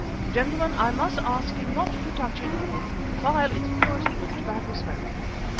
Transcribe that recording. Gentlemen, I must ask you not to touch it or to defile its purity with tobacco smoke.